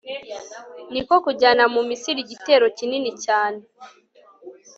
ni ko kujyana mu misiri igitero kinini cyane